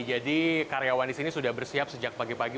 jadi karyawan di sini sudah bersiap sejak pagi pagi